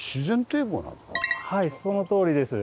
はいそのとおりです。